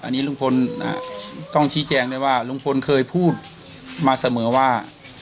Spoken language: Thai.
อันนี้ลุงพลต้องชี้แจงด้วยว่าลุงพลเคยพูดมาเสมอว่า